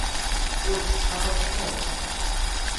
Ur tt-ttxalaḍet ara.